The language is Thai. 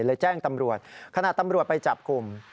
แจ้งตำรวจขณะตำรวจไปจับกลุ่ม